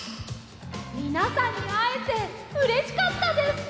みなさんにあえてうれしかったです！